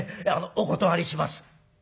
お断りします」。